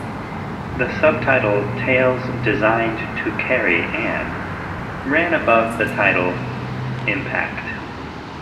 The sub-title "Tales Designed to Carry an" ran above the title "Impact".